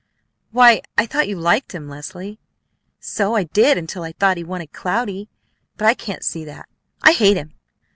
"Why, I thought you liked him, Leslie!" "So I did until I thought he wanted Cloudy, but I can't see that! I hate him.